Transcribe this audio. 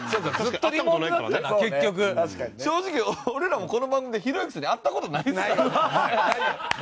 正直俺らもこの番組でひろゆきさんに会った事ないですからね。